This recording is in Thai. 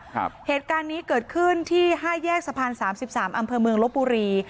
เหตุการณ์นี้เกิดขึ้นที่ห้าแยกสะพานสามสิบสามอำเภอเมืองลบบุรี